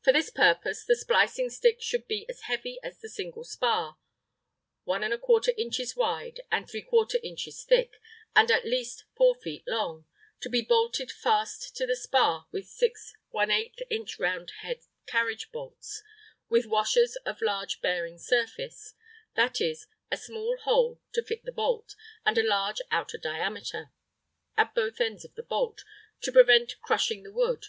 For this purpose, the splicing stick should be as heavy as the single spar 1¼ inches wide, and ¾ inches thick and at least 4 feet long, and be bolted fast to the spar with six ⅛ inch round head carriage bolts with washers of large bearing surface (that is, a small hole to fit the bolt, and a large outer diameter) at both ends of the bolt, to prevent crushing the wood.